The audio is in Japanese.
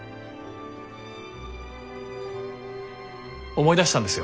思い出したんですよ